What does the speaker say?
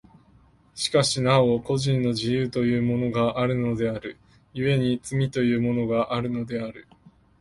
しかしなお個人の自由というものがあるのである、故に罪というものがあるのである。